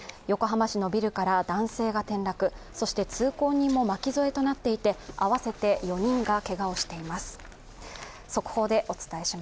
横浜市のビルから男性が転落、通行人も巻き添えとなっていて合わせて４人がけがをしています。